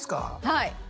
はい。